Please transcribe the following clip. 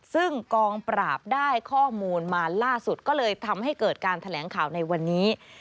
ซึ่งกองปราบได้ข้อมูลมาล่าสุดก็เลยทำให้เกิดการแถลงข่าวในวันนี้